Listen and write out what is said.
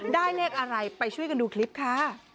ได้เลขอะไรไปช่วยกันดูคลิปค่ะ